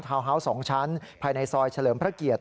ฮาวส์๒ชั้นภายในซอยเฉลิมพระเกียรติ